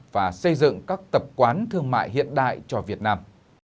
và xây dựng các tập quán thương mại hiện đại cho việt nam